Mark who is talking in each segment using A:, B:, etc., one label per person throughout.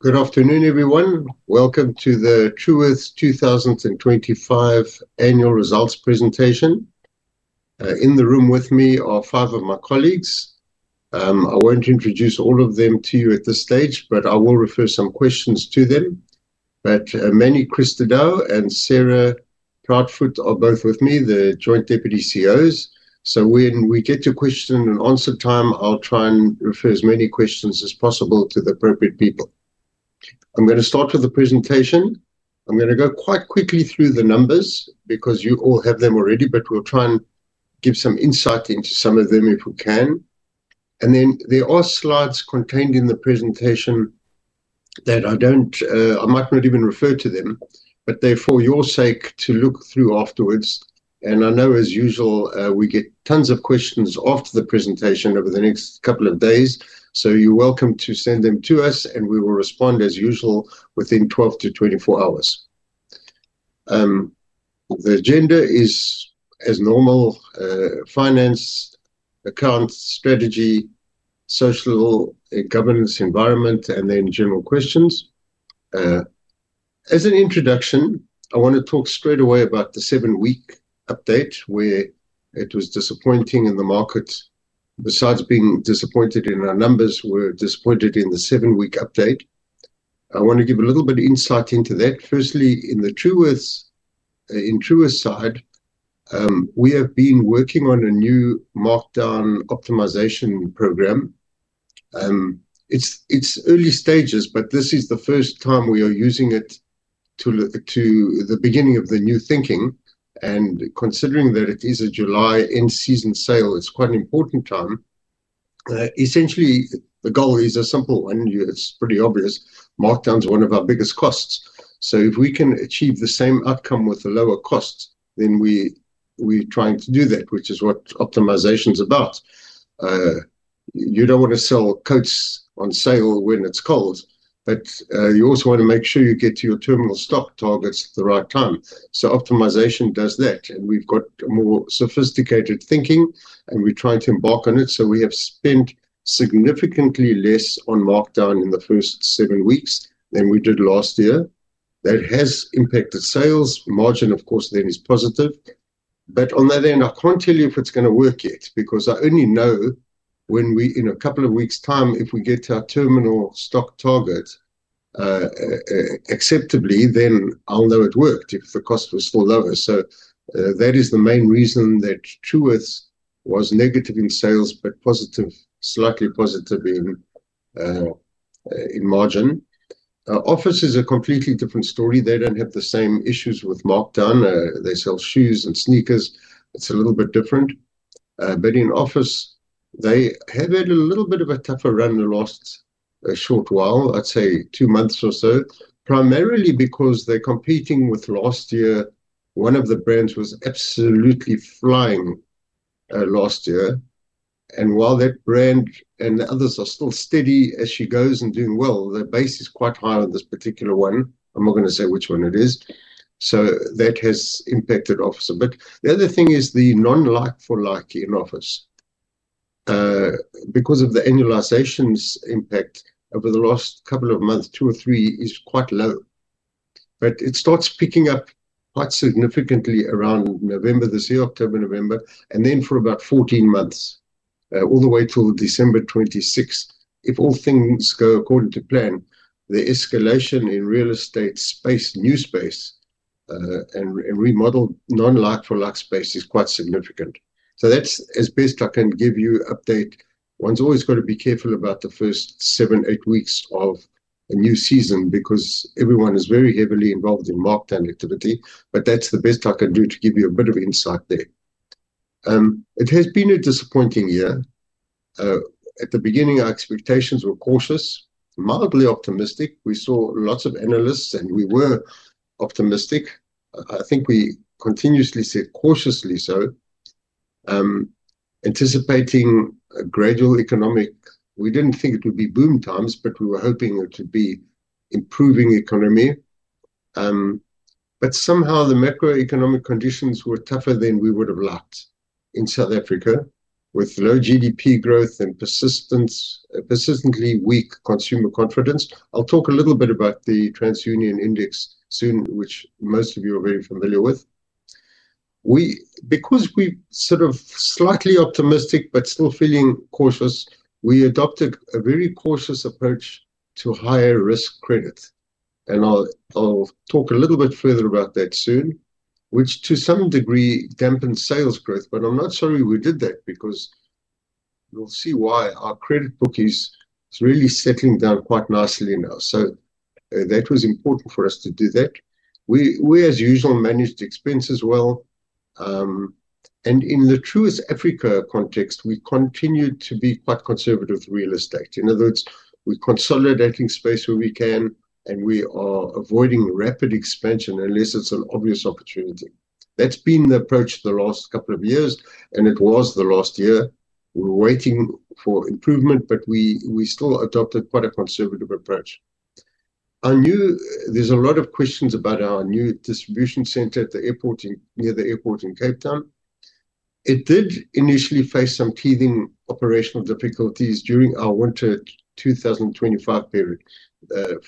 A: Good afternoon, everyone. Welcome to the Truworths International Limited 2025 Annual Results Presentation. In the room with me are five of my colleagues. I won't introduce all of them to you at this stage, but I will refer some questions to them. Emanuel Cristaudo and Sarah Proudfoot are both with me, the Joint Deputy CEOs. When we get to question and answer time, I'll try and refer as many questions as possible to the appropriate people. I'm going to start with the presentation. I'm going to go quite quickly through the numbers because you all have them already, but we'll try and give some insight into some of them if we can. There are slides contained in the presentation that I might not even refer to, but they're for your sake to look through afterwards. I know, as usual, we get tons of questions after the presentation over the next couple of days. You're welcome to send them to us, and we will respond as usual within 12 - 24 hours. The agenda is, as normal, finance, accounts, strategy, social and governance environment, and then general questions. As an introduction, I want to talk straight away about the seven-week update where it was disappointing in the market. Besides being disappointed in our numbers, we're disappointed in the seven-week update. I want to give a little bit of insight into that. Firstly, in the Truworths side, we have been working on a new markdown optimization program. It's early stages, but this is the first time we are using it to the beginning of the new thinking. Considering that it is a July end season sale, it's quite an important time. Essentially, the goal is a simple one. It's pretty obvious. Markdown is one of our biggest costs. If we can achieve the same outcome with the lower costs, then we're trying to do that, which is what optimization is about. You don't want to sell coats on sale when it's cold, but you also want to make sure you get to your terminal stock targets at the right time. Optimization does that. We've got more sophisticated thinking, and we try to embark on it. We have spent significantly less on markdown in the first seven weeks than we did last year. That has impacted sales. Margin, of course, then is positive. On that end, I can't tell you if it's going to work yet because I only know when we, in a couple of weeks' time, if we get to our terminal stock targets acceptably, then I'll know it worked if the cost was still lower. That is the main reason that Truworths was negative in sales, but positive, slightly positive in margin. Office is a completely different story. They don't have the same issues with markdown. They sell shoes and sneakers. It's a little bit different. In Office, they have had a little bit of a tougher run in the last short while, I'd say two months or so, primarily because they're competing with last year. One of the brands was absolutely flying last year. While that brand and others are still steady as she goes and doing well, their base is quite high on this particular one. I'm not going to say which one it is. That has impacted Office a bit. The other thing is the non-like for like in Office. Because of the annualization's impact over the last couple of months, two or three is quite low. It starts picking up quite significantly around November this year, October, November, and then for about 14 months, all the way till December 2026. If all things go according to plan, the escalation in real estate space, new space, and remodel non-like for like space is quite significant. That's as best I can give you an update. One's always got to be careful about the first seven, eight weeks of a new season because everyone is very heavily involved in markdown activity. That's the best I can do to give you a bit of insight there. It has been a disappointing year. At the beginning, our expectations were cautious, mildly optimistic. We saw lots of analysts, and we were optimistic. I think we continuously said cautiously so, anticipating a gradual economic. We didn't think it would be boom times, but we were hoping it would be an improving economy. Somehow, the macroeconomic conditions were tougher than we would have liked in South Africa with low GDP growth and persistently weak consumer confidence. I'll talk a little bit about the TransUnion Index soon, which most of you are very familiar with. Because we're sort of slightly optimistic but still feeling cautious, we adopted a very cautious approach to higher risk credits. I'll talk a little bit further about that soon, which to some degree dampened sales growth. I'm not sure we did that because you'll see why our credit book is really settling down quite nicely now. That was important for us to do that. We, as usual, managed expenses well. In the Truworths Africa context, we continue to be quite conservative with real estate. In other words, we're consolidating space where we can, and we are avoiding rapid expansion unless it's an obvious opportunity. That's been the approach for the last couple of years, and it was the last year. We're waiting for improvement, but we still adopted quite a conservative approach. I know there's a lot of questions about our new distribution center near the airport in Cape Town. It did initially face some teething operational difficulties during our winter 2025 period.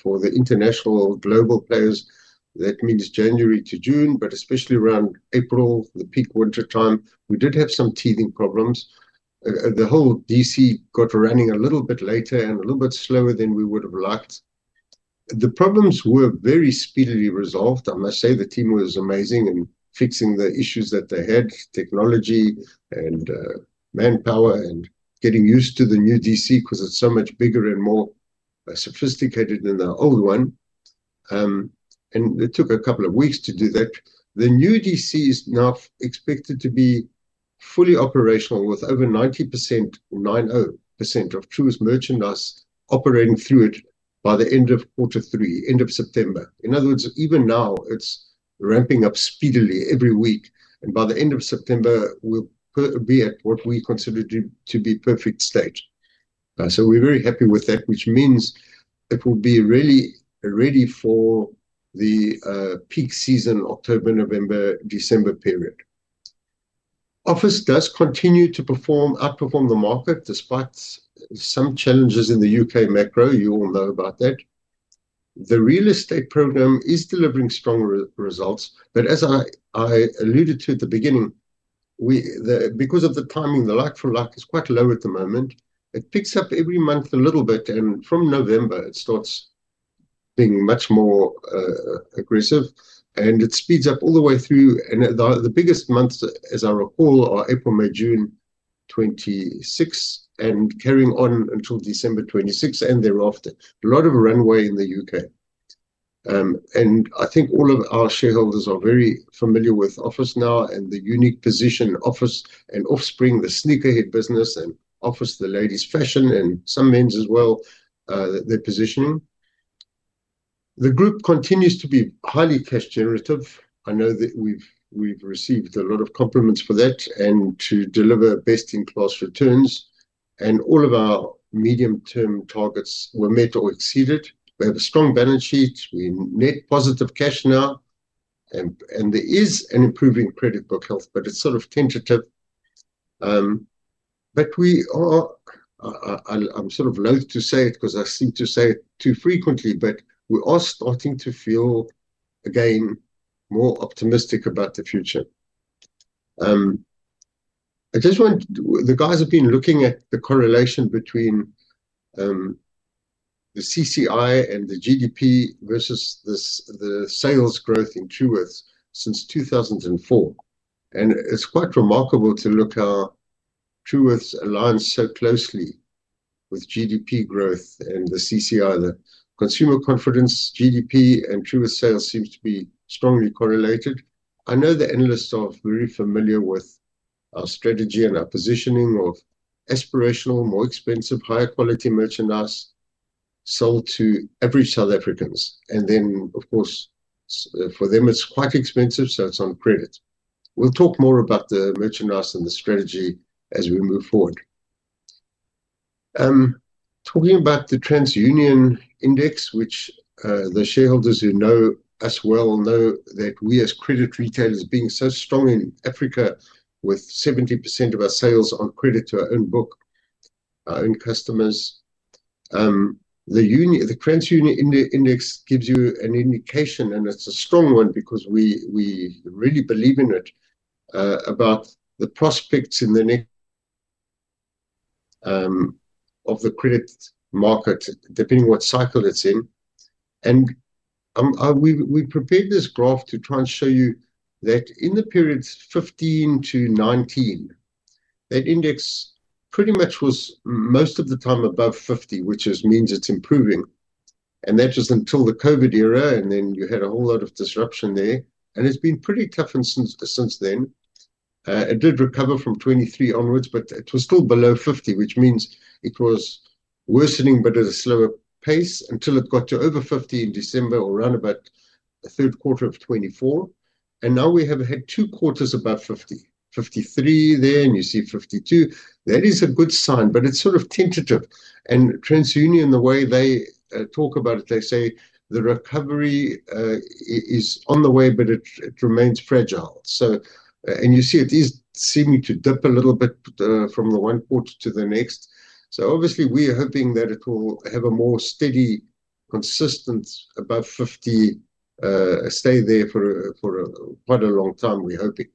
A: For the international global players, that means January to June, but especially around April, the peak winter time, we did have some teething problems. The whole DC got running a little bit later and a little bit slower than we would have liked. The problems were very speedily resolved. I must say the team was amazing in fixing the issues that they had, technology and manpower, and getting used to the new DC because it's so much bigger and more sophisticated than the old one. It took a couple of weeks to do that. The new DC is now expected to be fully operational with over 90% of Truworths merchandise operating through it by the end of quarter three, end of September. In other words, even now, it's ramping up speedily every week. By the end of September, we'll be at what we consider to be a perfect state. We're very happy with that, which means it will be really ready for the peak season, October, November, December period. Office does continue to perform, outperform the market despite some challenges in the U.K. macro. You all know about that. The real estate program is delivering strong results. As I alluded to at the beginning, because of the timing, the like-for-like is quite low at the moment. It picks up every month a little bit, and from November, it starts being much more aggressive. It speeds up all the way through. The biggest months, as I recall, are April, May, June 2026, and carrying on until December, 2026 and thereafter. A lot of runway in the U.K. I think all of our shareholders are very familiar with office now and the unique position office and Offspring, the sneakerhead business, and office ,the ladies' fashion, and some men's as well, their positioning. The group continues to be highly cash generative. I know that we've received a lot of compliments for that and to deliver best-in-class returns. All of our medium-term financial targets were met or exceeded. We have a strong balance sheet. We're net positive cash now. There is an improving credit book health, but it's sort of tentative. We are, I'm sort of loath to say it because I seem to say it too frequently, but we are starting to feel again more optimistic about the future. I just want the guys have been looking at the correlation between the CCI and the GDP versus the sales growth in Truworths since 2004. It's quite remarkable to look how Truworths aligns so closely with GDP growth and the CCI. The consumer confidence, GDP, and Truworths sales seem to be strongly correlated. I know the analysts are very familiar with our strategy and our positioning of aspirational, more expensive, higher quality merchandise sold to every South African. For them, it's quite expensive, so it's on credit. We'll talk more about the merchandise and the strategy as we move forward. Talking about the TransUnion Index, which the shareholders who know us well know that we as credit retailers being so strong in Africa with 70% of our sales on credit to our own book, our own customers. The TransUnion Index gives you an indication, and it's a strong one because we really believe in it about the prospects in the neck of the credit market depending on what cycle it's in. We prepared this graph to try and show you that in the periods 2015 - 2019, that index pretty much was most of the time above 50, which means it's improving. That was until the COVID era, and then you had a whole lot of disruption there. It's been pretty tough since then. It did recover from 2023 onwards, but it was still below 50, which means it was worsening, but at a slower pace until it got to over 50 in December or around about the third quarter of 2024. Now we have had two quarters above 50, 53 there, and you see 52. That is a good sign, but it's sort of tentative. TransUnion, the way they talk about it, they say the recovery is on the way, but it remains fragile. You see it is seeming to dip a little bit from the one quarter to the next. Obviously, we are hoping that it will have a more steady, consistent above 50 stay there for quite a long time, we're hoping.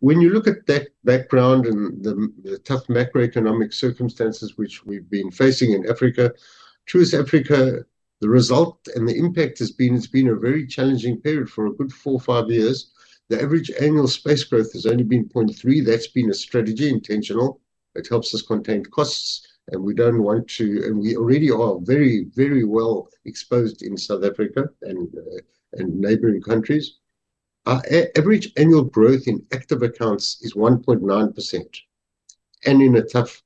A: When you look at that background and the tough macroeconomic circumstances which we've been facing in Africa, Truworths Africa, the result and the impact has been a very challenging period for a good four or five years. The average annual space growth has only been 0.3. That's been a strategy intentional. It helps us contain costs, and we don't want to, and we already are very, very well exposed in South Africa and neighboring countries. Our average annual growth in active accounts is 1.9%. In a tough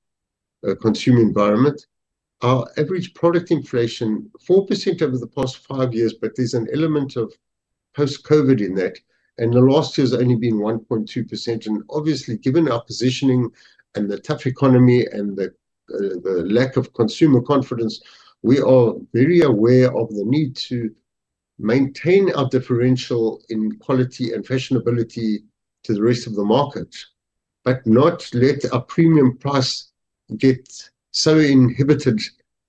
A: consumer environment, our average product inflation is 4% over the past five years, but there's an element of post-COVID in that. The last year has only been 1.2%. Obviously, given our positioning and the tough economy and the lack of consumer confidence, we are very aware of the need to maintain our differential in quality and fashionability to the rest of the market, but not let our premium price get so inhibited,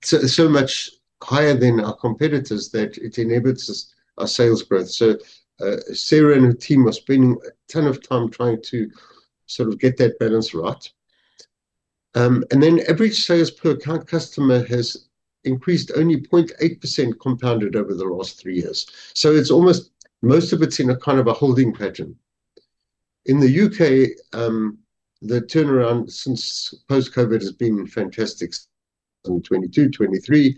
A: so much higher than our competitors that it enables our sales growth. Sarah and her team are spending a ton of time trying to sort of get that balance right. Average sales per account customer has increased only 0.8% compounded over the last three years. It's almost most of it's in a kind of a holding pattern. In the U.K., the turnaround since post-COVID has been fantastic: 2022, 2023,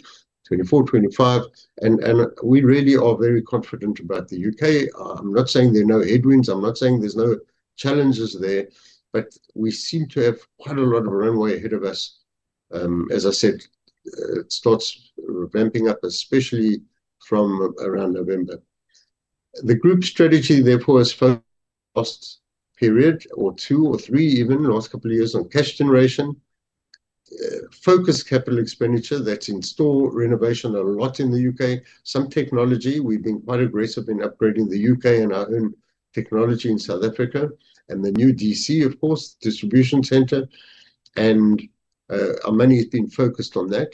A: 2024, 2025. We really are very confident about the U.K. I'm not saying there are no headwinds. I'm not saying there's no challenges there, but we seem to have quite a lot of runway ahead of us. As I said, it starts ramping up, especially from around November. The group strategy, therefore, is for the last period or two or three even the last couple of years on cash generation, focused capital expenditure that's in store, renovation a lot in the U.K., some technology. We've been quite aggressive in upgrading the U.K. and our own technology in South Africa and the new DC, of course, distribution center. Our money has been focused on that.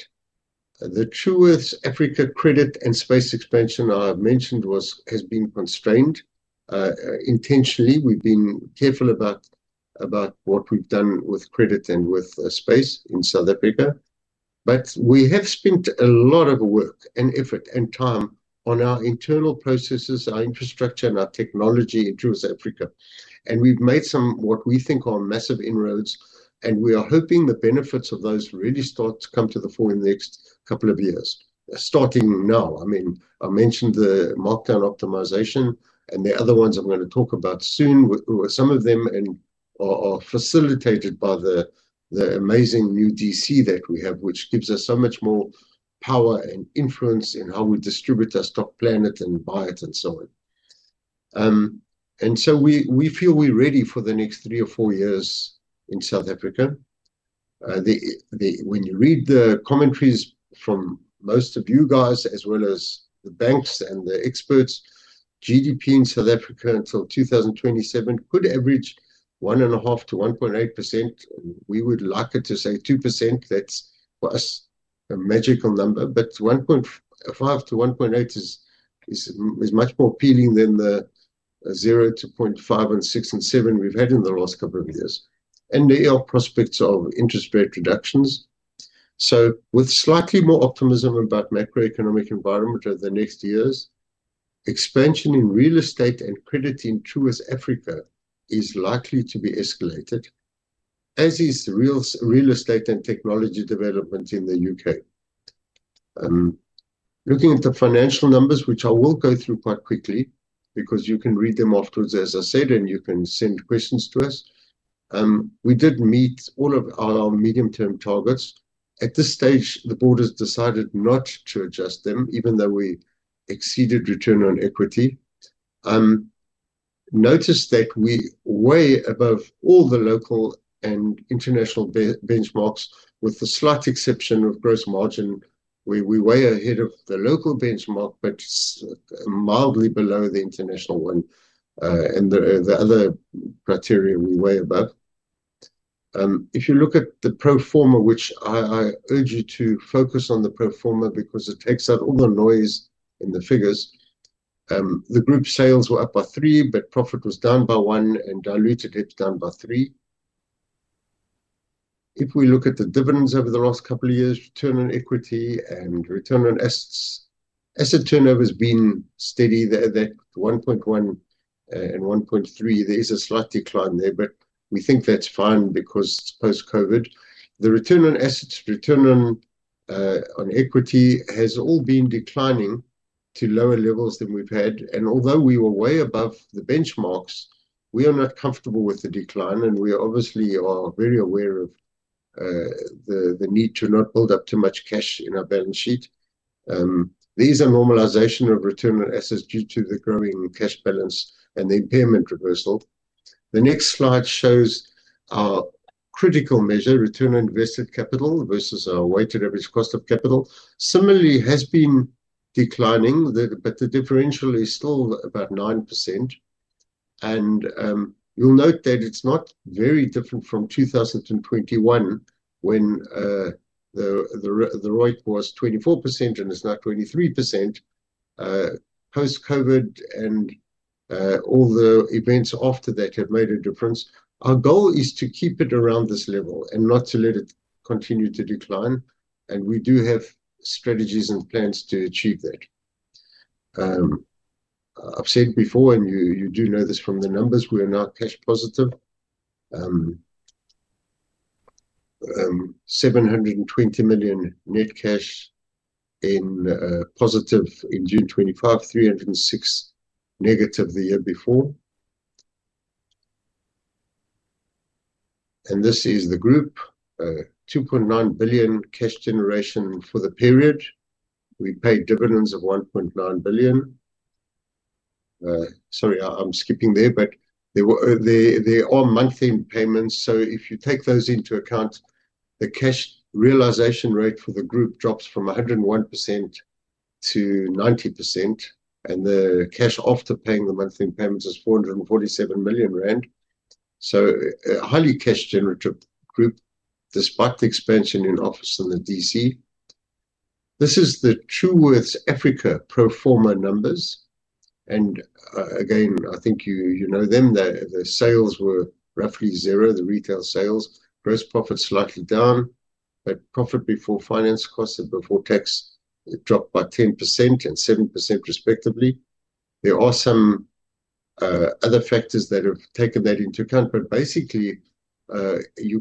A: The Truworths Africa credit and space expansion I mentioned has been constrained. Intentionally, we've been careful about what we've done with credit and with space in South Africa. We have spent a lot of work and effort and time on our internal processes, our infrastructure, and our technology in Truworths Africa. We've made some, what we think, are massive inroads. We are hoping the benefits of those really start to come to the fore in the next couple of years, starting now. I mentioned the markdown optimization and the other ones I'm going to talk about soon. Some of them are facilitated by the amazing new DC that we have, which gives us so much more power and influence in how we distribute our stock, plan it, and buy it, and so on. We feel we're ready for the next three or four years in South Africa. When you read the commentaries from most of you guys, as well as the banks and the experts, GDP in South Africa until 2027 could average 1.5% to 1.8%. We would like it to say 2%. That's for us a magical number. However, 1.5% to 1.8% is much more appealing than the 0% to 0.5% and 6% and 7% we've had in the last couple of years. There are prospects of interest rate reductions. With slightly more optimism about the macroeconomic environment over the next years, expansion in real estate and credit in Truworths Africa is likely to be escalated, as is real estate and technology development in the U.K. Looking at the financial numbers, which I will go through quite quickly because you can read them afterwards, as I said, and you can send questions to us. We did meet all of our medium-term financial targets. At this stage, the board has decided not to adjust them, even though we exceeded return on equity. Notice that we're way above all the local and international benchmarks, with the slight exception of gross margin, where we're way ahead of the local benchmark, but mildly below the international one. The other criteria we're way above. If you look at the pro forma, which I urge you to focus on the pro forma because it takes out all the noise in the figures, the group sales were up by three, but profit was down by one and diluted debt down by three. If we look at the dividends over the last couple of years, return on equity and return on assets, asset turnover has been steady. The 1.1 and 1.3, there is a slight decline there, but we think that's fine because it's post-COVID. The return on assets, return on equity has all been declining to lower levels than we've had. Although we were way above the benchmarks, we are not comfortable with the decline, and we obviously are very aware of the need to not build up too much cash in our balance sheet. There is a normalization of return on assets due to the growing cash balance and the impairment reversal. The next slide shows our critical measure, return on invested capital versus our weighted average cost of capital. Similarly, it has been declining, but the differential is still about 9%. You'll note that it's not very different from 2021 when the ROIC was 24% and it's now 23%. Post-COVID and all the events after that have made a difference. Our goal is to keep it around this level and not to let it continue to decline. We do have strategies and plans to achieve that. I've said before, and you do know this from the numbers, we are now cash positive. R720 million net cash in positive in June 2025, R306 million negative the year before. This is the group, R2.9 billion cash generation for the period. We pay dividends of R1.9 billion. Sorry, I'm skipping there, but there are monthly payments. If you take those into account, the cash realization rate for the group drops from 101% to 90%. The cash after paying the monthly payments is R447 million. A highly cash-generative group despite the expansion in Office of the DC. This is the Truworths Africa pro forma numbers. I think you know them. The sales were roughly zero, the retail sales. Gross profit slightly down, but profit before finance costs before tax dropped by 10% and 7% respectively. There are some other factors that have taken that into account. Basically, we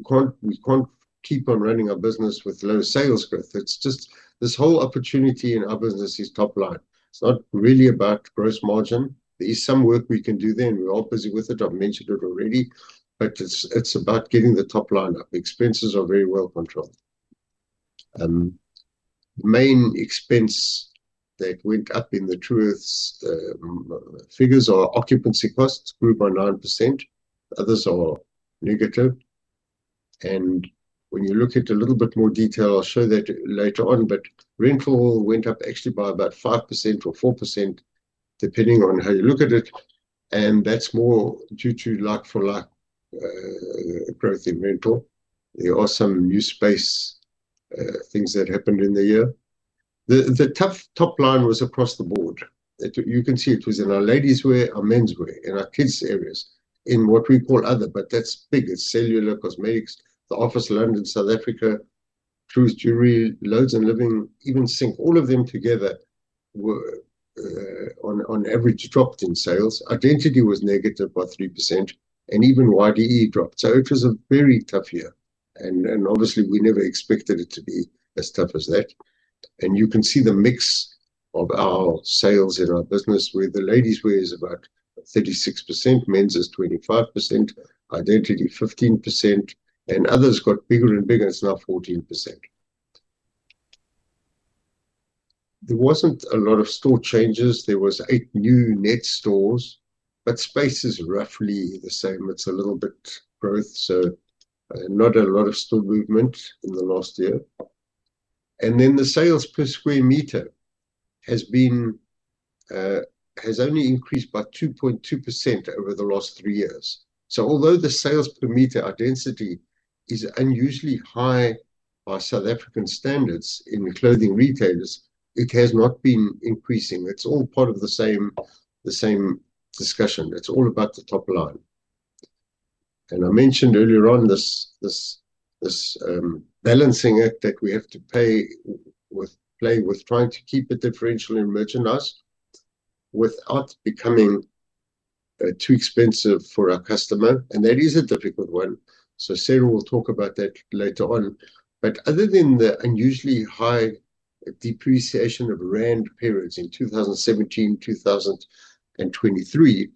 A: can't keep on running our business with low sales growth. The whole opportunity in our business is top line. It's not really about gross margin. There is some work we can do there. We're all busy with it. I've mentioned it already, but it's about getting the top line up. The expenses are very well controlled. Main expense that went up in the Truworths Africa figures are occupancy costs, grew by 9%. Others are negative. When you look at a little bit more detail, I'll show that later on, but rental went up actually by about 5% or 4% depending on how you look at it. That's more due to like-for-like growth in rental. There are some new space things that happened in the year. The tough top line was across the board. You can see it was in our ladies' wear, our men's wear, and our kids' areas in what we call other, but that's big. It's cellular, cosmetics, the Office., South Africa, Truworths Jewellery, Lowe's & Living, even Sync. All of them together were on average dropped in sales. Identity was negative by 3%, and even YDE dropped. It was a very tough year. Obviously, we never expected it to be as tough as that. You can see the mix of our sales in our business where the ladies' wear is about 36%, men's is 25%, Identity 15%, and others got bigger and bigger. It's now 14%. There wasn't a lot of store changes. There were eight new net stores, but space is roughly the same. It's a little bit growth, so not a lot of store movement in the last year. The sales per square meter has only increased by 2.2% over the last three years. Although the sales per meter identity is unusually high by South African standards in clothing retailers, it has not been increasing. It is all part of the same discussion. It is all about the top line. I mentioned earlier on this balancing act that we have to play with trying to keep a differential in merchandise without becoming too expensive for our customer, and that is a difficult one. Sarah will talk about that later on. Other than the unusually high depreciation of RAND periods in 2017 and 2023,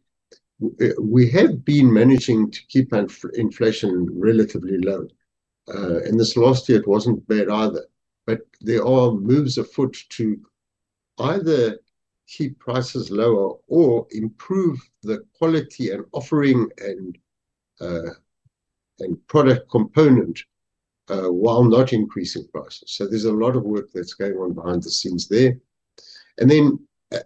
A: we have been managing to keep inflation relatively low. This last year, it was not bad either. There are moves afoot to either keep prices lower or improve the quality and offering and product component while not increasing prices. There is a lot of work that is going on behind the scenes there.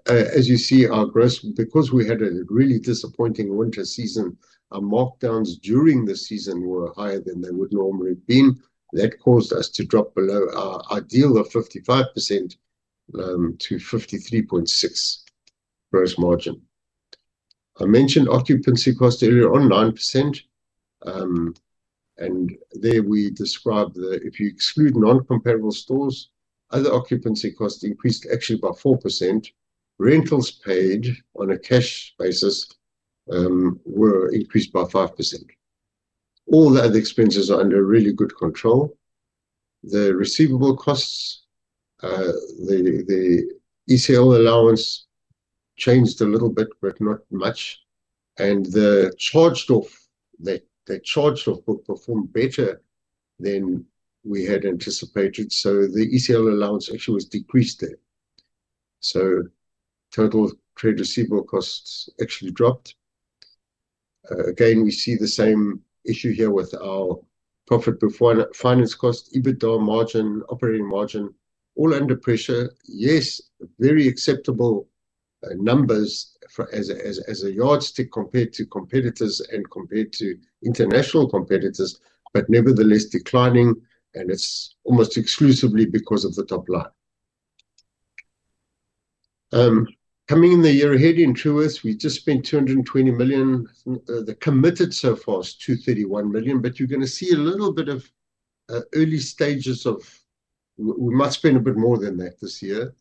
A: As you see, our gross, because we had a really disappointing winter season, our markdowns during the season were higher than they would normally have been. That caused us to drop below our ideal of 55% to 53.6% gross margin. I mentioned occupancy cost earlier on, 9%. There we describe that if you exclude non-comparable stores, other occupancy costs increased actually by 4%. Rentals paid on a cash basis were increased by 5%. All the other expenses are under really good control. The receivable costs, the ECL allowance changed a little bit, but not much. The charged off, that charged off book performed better than we had anticipated. The ECL allowance actually was decreased there, so total trade receivable costs actually dropped. Again, we see the same issue here with our profit before finance costs, EBITDA margin, operating margin, all under pressure. Yes, very acceptable numbers as a yardstick compared to competitors and compared to international competitors, but nevertheless declining. It is almost exclusively because of the top line. Coming in the year ahead in Truworths, we just spent R220 million. The committed so far is R231 million, but you are going to see a little bit of early stages of we must spend a bit more than that this year.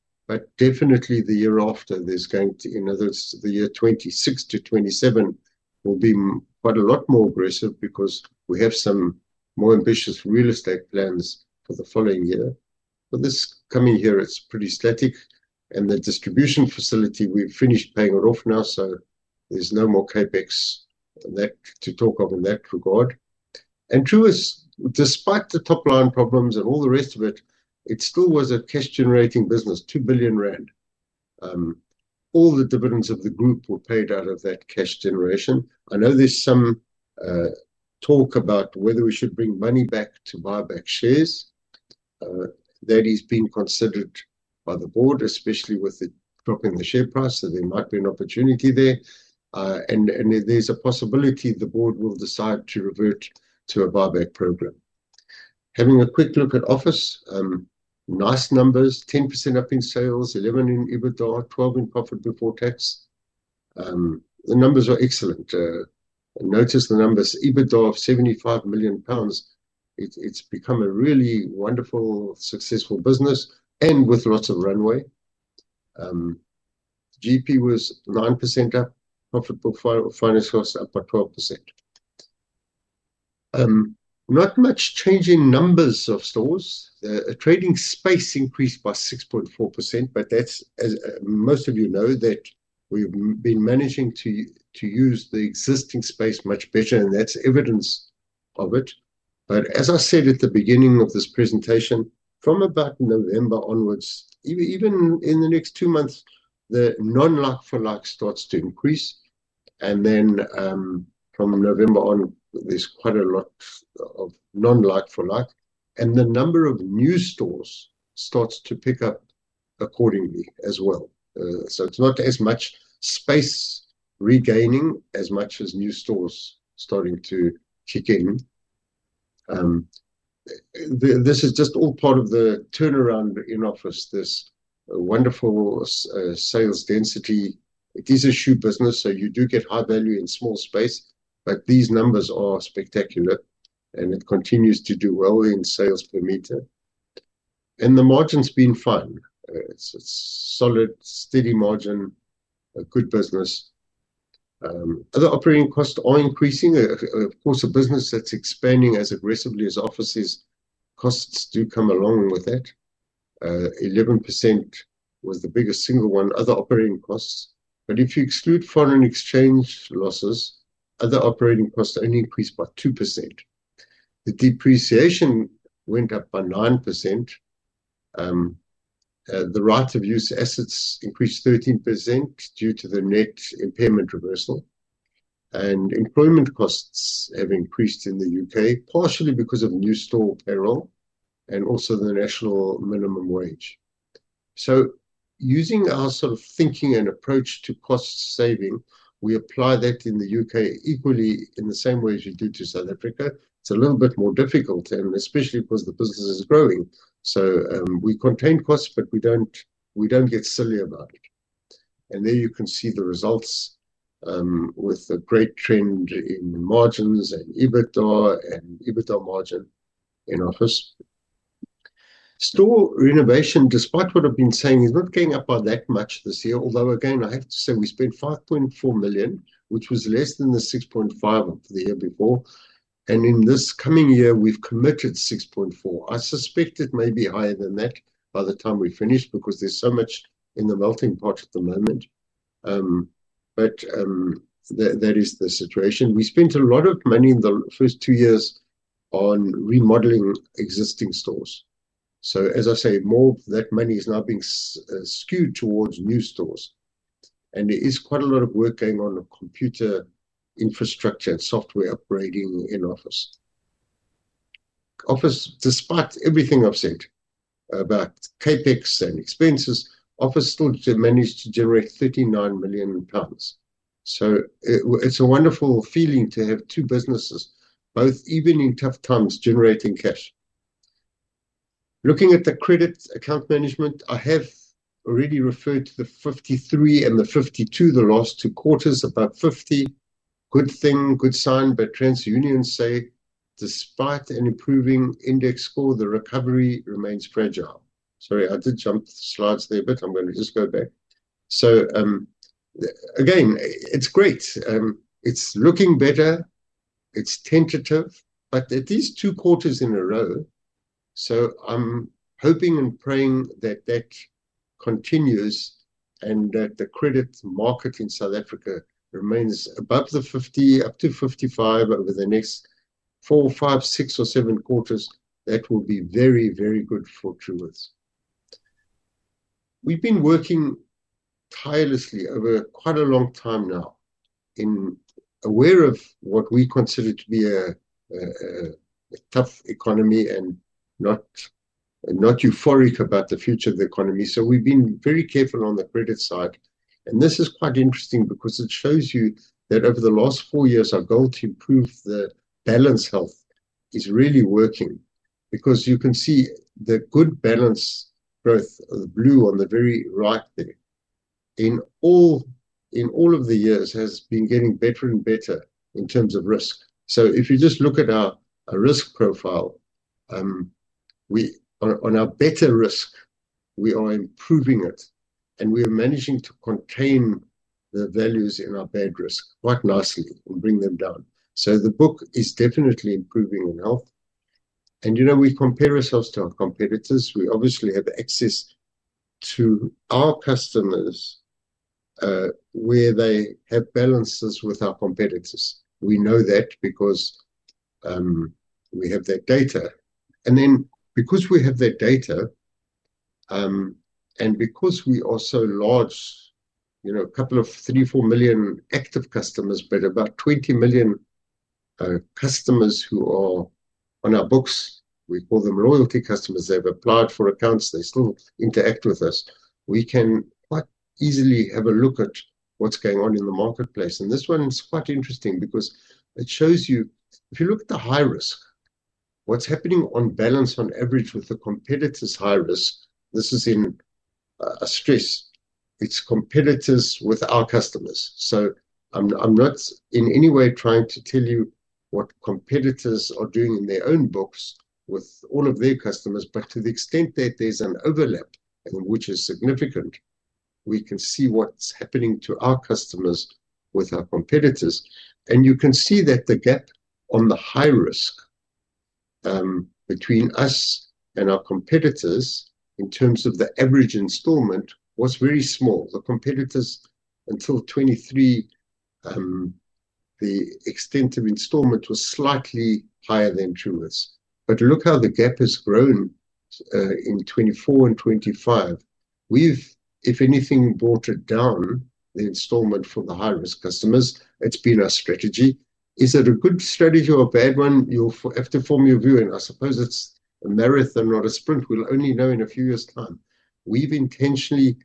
A: Definitely the year after, in other words, the year 2026 to 2027 will be quite a lot more aggressive because we have some more ambitious real estate plans for the following year. This coming year, it is pretty static. The distribution facility, we have finished paying it off now. There's no more capital expenditure to talk of in that regard. Truworths, despite the top line problems and all the rest of it, still was a cash-generating business, R2 billion. All the dividends of the group were paid out of that cash generation. I know there's some talk about whether we should bring money back to buy back shares. That is being considered by the board, especially with the drop in the share price. There might be an opportunity there. There's a possibility the board will decide to revert to a buyback program. Having a quick look at Office , nice numbers, 10% up in sales, 11% in EBITDA, 12% in profit before tax. The numbers are excellent. Notice the numbers, EBITDA of £75 million. It's become a really wonderful, successful business and with lots of runway. GP was 9% up, profitable, finance costs up by 12%. Not much change in numbers of stores. Trading space increased by 6.4%, but that's, as most of you know, that we've been managing to use the existing space much better, and that's evidence of it. As I said at the beginning of this presentation, from about November onwards, even in the next two months, the non-like for like starts to increase. From November on, there's quite a lot of non-like for like. The number of new stores starts to pick up accordingly as well. It's not as much space regaining as much as new stores starting to kick in. This is just all part of the turnaround in Office was this wonderful sales density. It is a shoe business, so you do get high value in small space, but these numbers are spectacular, and it continues to do well in sales per meter. The margin's been fine. It's a solid, steady margin, a good business. Other operating costs are increasing. Of course, a business that's expanding as aggressively as Offices, costs do come along with that. 11% was the biggest single one, other operating costs. If you exclude foreign exchange losses, other operating costs only increased by 2%. The depreciation went up by 9%. The rights of use assets increased 13% due to the net impairment reversal. Employment costs have increased in the U.K., partially because of the new store payroll and also the national minimum wage. Using our sort of thinking and approach to cost saving, we apply that in the U.K. equally in the same way as we did to South Africa. It's a little bit more difficult, especially because the business is growing. We contain costs, but we don't get silly about it. There you can see the results with the great trend in margins and EBITDA and EBITDA margin in Office. Store renovation, despite what I've been saying, is not going up by that much this year, although again, I have to say we spent £5.4 million, which was less than the £6.5 million of the year before. In this coming year, we've committed £6.4 million. I suspect it may be higher than that by the time we finish because there's so much in the melting pot at the moment. That is the situation. We spent a lot of money in the first two years on remodeling existing stores. As I say, more of that money is now being skewed towards new stores. There is quite a lot of work going on with computer infrastructure and software upgrading in Office Office despite everything I've said about capital expenditure and expenses, still managed to generate £39 million. It's a wonderful feeling to have two businesses, both even in tough times, generating cash. Looking at the credit account management, I have already referred to the 53 and the 52 the last two quarters, about 50. Good thing, good sign, but TransUnion say, despite an improving index score, the recovery remains fragile. Sorry, I did jump to the slides there, but I'm going to just go back. It's great. It's looking better. It's tentative, but at least two quarters in a row. I'm hoping and praying that that continues and that the credit market in South Africa remains above the 50, up to 55 over the next four, five, six, or seven quarters. That will be very, very good for Truworths. We've been working tirelessly over quite a long time now, aware of what we consider to be a tough economy and not euphoric about the future of the economy. We've been very careful on the credit side. This is quite interesting because it shows you that over the last four years, our goal to improve the balance health is really working because you can see the good balance growth, the blue on the very right there, in all of the years has been getting better and better in terms of risk. If you just look at our risk profile, on our better risk, we are improving it. We are managing to contain the values in our bad risk quite nicely and bring them down. The book is definitely improving in health. We compare ourselves to our competitors. We obviously have access to our customers where they have balances with our competitors. We know that because we have that data. Because we have that data and because we are so large, you know, a couple of three, four million active customers, but about 20 million customers who are on our books, we call them loyalty customers. They've applied for accounts. They still interact with us. We can quite easily have a look at what's going on in the marketplace. This one's quite interesting because it shows you, if you look at the high risk, what's happening on balance on average with the competitors' high risk. This is in a stress. It's competitors with our customers. I'm not in any way trying to tell you what competitors are doing in their own books with all of their customers. To the extent that there's an overlap, which is significant, we can see what's happening to our customers with our competitors. You can see that the gap on the high risk between us and our competitors in terms of the average installment was very small. The competitors until 2023, the extent of installment was slightly higher than Truworths. Look how the gap has grown in 2024 and 2025. We've, if anything, brought it down, the installment for the high-risk customers. It's been our strategy. Is it a good strategy or a bad one? You'll have to form your view. I suppose it's a marathon, not a sprint. We'll only know in a few years' time. We've intentionally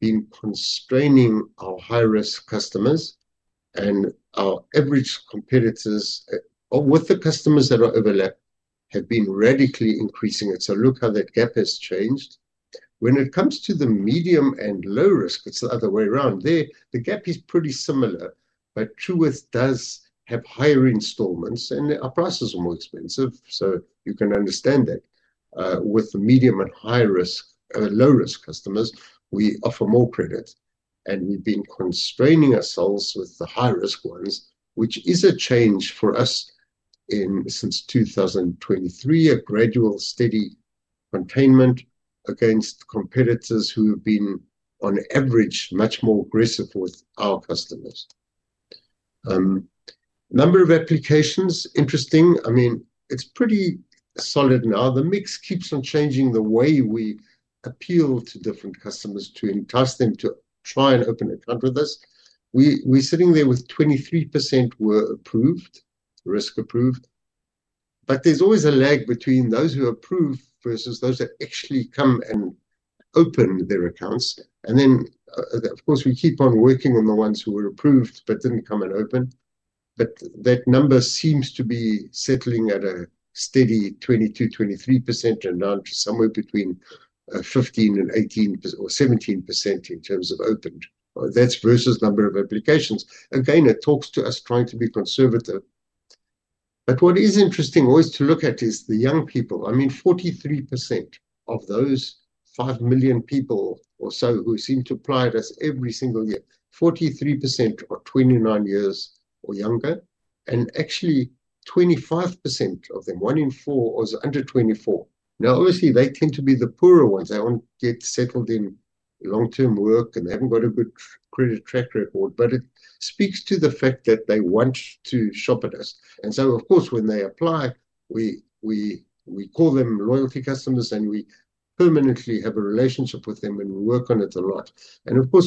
A: been constraining our high-risk customers and our average competitors, or with the customers that are overlapped, have been radically increasing it. Look how that gap has changed. When it comes to the medium and low risk, it's the other way around. The gap is pretty similar, but Truworths does have higher installments and our prices are more expensive. You can understand that with the medium and high risk, low-risk customers, we offer more credit. We've been constraining ourselves with the high-risk ones, which is a change for us since 2023, a gradual steady containment against competitors who have been, on average, much more aggressive with our customers. Number of applications, interesting. I mean, it's pretty solid now. The mix keeps on changing the way we appeal to different customers to entice them to try and open an account with us. We're sitting there with 23% were approved, risk approved. There's always a lag between those who approve versus those that actually come and open their accounts. Of course, we keep on working on the ones who were approved but didn't come and open. That number seems to be settling at a steady 22%, 23% and down to somewhere between 15% and 18% or 17% in terms of open. That's versus number of applications. Again, it talks to us trying to be conservative. What is interesting always to look at is the young people. I mean, 43% of those 5 million people or so who seem to apply to us every single year, 43% are 29 years or younger. Actually, 25% of them, one in four, is under 24. Obviously, they tend to be the poorer ones. They aren't yet settled in long-term work and they haven't got a good credit track record. It speaks to the fact that they want to shop at us. When they apply, we call them loyalty customers and we permanently have a relationship with them and we work on it a lot.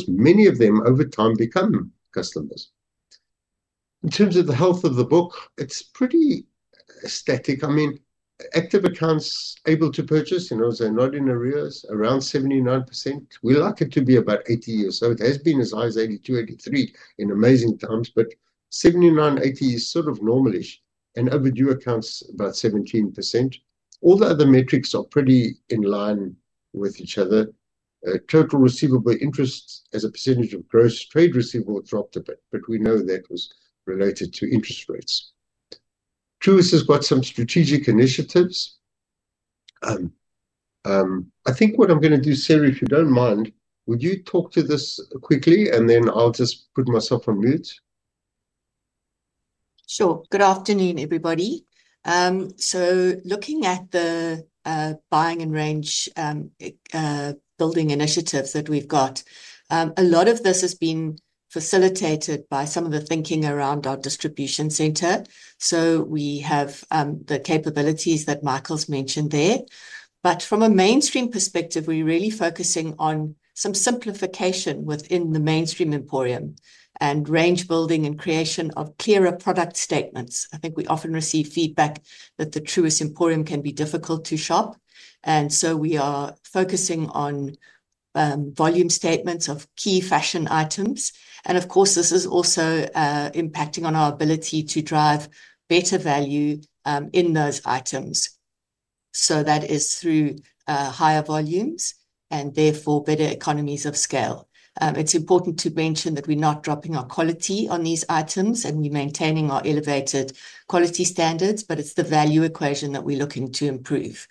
A: Many of them over time become customers. In terms of the health of the book, it's pretty static. Active accounts able to purchase, you know, they're not in arrears, around 79%. We like it to be about 80% or so. It has been as high as 82%, 83% in amazing times. 79%, 80% is sort of normalish. Overdue accounts, about 17%. All the other metrics are pretty in line with each other. Total receivable interest as a percentage of gross trade receivable dropped a bit, but we know that was related to interest rates. Truworths has got some strategic initiatives. I think what I'm going to do, Sarah, if you don't mind, would you talk to this quickly and then I'll just put myself on mute?
B: Sure. Good afternoon, everybody. Looking at the buying and range building initiatives that we've got, a lot of this has been facilitated by some of the thinking around our distribution center. We have the capabilities that Michael's mentioned there. From a mainstream perspective, we're really focusing on some simplification within the mainstream emporium and range building and creation of clearer product statements. I think we often receive feedback that the Truworths emporium can be difficult to shop. We are focusing on volume statements of key fashion items. This is also impacting on our ability to drive better value in those items. That is through higher volumes and therefore better economies of scale. It's important to mention that we're not dropping our quality on these items and we're maintaining our elevated quality standards, but it's the value equation that we're looking to improve.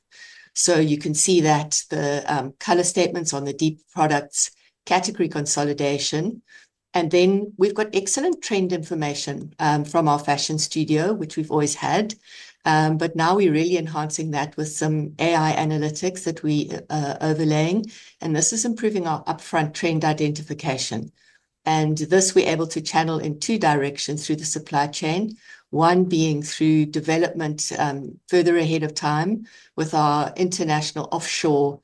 B: You can see that the color statements on the deep products category consolidation. We've got excellent trend information from our fashion studio, which we've always had. Now we're really enhancing that with some AI-driven trend analytics that we are overlaying. This is improving our upfront trend identification. We're able to channel this in two directions through the supply chain, one being through development further ahead of time with our international offshore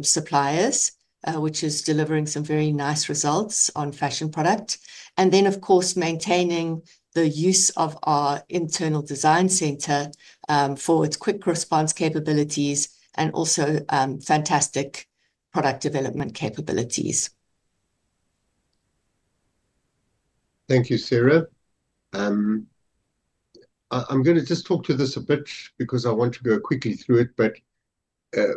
B: suppliers, which is delivering some very nice results on fashion product, and maintaining the use of our internal design center for its quick response capabilities and also fantastic product development capabilities.
A: Thank you, Sarah. I'm going to just talk to this a bit because I want to go quickly through it.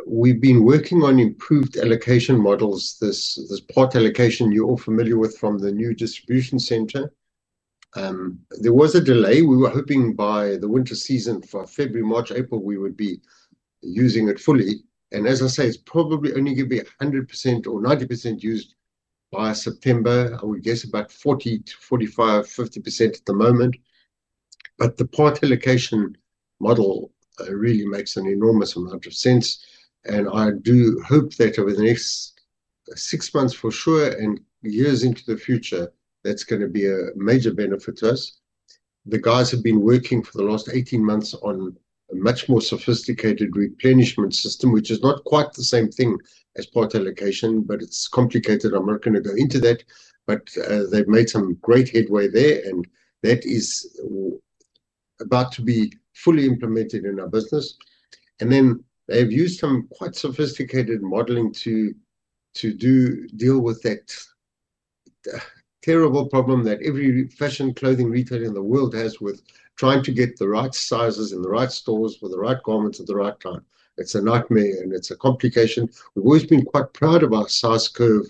A: We've been working on improved allocation models, this part allocation you're all familiar with from the new distribution center. There was a delay. We were hoping by the winter season for February, March, April, we would be using it fully. As I say, it's probably only going to be 100% or 90% used by September. I would guess about 40% to 45%, 50% at the moment. The part allocation model really makes an enormous amount of sense. I do hope that over the next six months for sure and years into the future, that's going to be a major benefit to us. The guys have been working for the last 18 months on a much more sophisticated replenishment system, which is not quite the same thing as part allocation, but it's complicated. I'm not going to go into that. They've made some great headway there, and that is about to be fully implemented in our business. They've used some quite sophisticated modeling to deal with that terrible problem that every fashion clothing retailer in the world has with trying to get the right sizes in the right stores for the right garments at the right time. It's a nightmare, and it's a complication. We've always been quite proud of our size curve